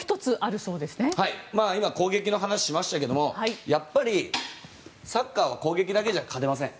今、攻撃の話ありましたがやっぱりサッカーは攻撃だけじゃ勝てません。